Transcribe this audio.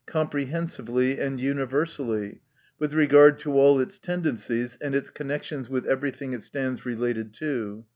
prehensively and universally, with regard to all its tendencies, and its connections with every thing it stands related to.